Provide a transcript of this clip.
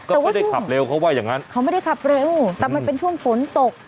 ก็ไม่ได้ขับเร็วเขาไม่ได้ขับเร็วแต่มันเป็นช่วงฝนตก